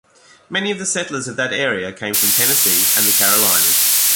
Many of the settlers of that area came from Tennessee and the Carolinas.